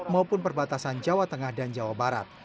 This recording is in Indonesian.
maupun perbatasan jawa tengah dan jawa barat